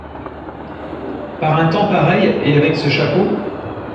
Par un temps pareil et avec ce chapeau ?…